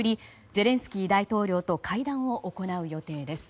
ゼレンスキー大統領と会談を行う予定です。